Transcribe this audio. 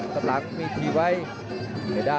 ส่วนหน้านั้นอยู่ที่เลด้านะครับ